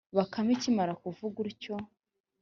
bakame ikimara kuvuga ityo,